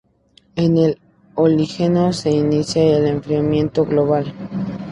En el Oligoceno, se inició el enfriamiento global.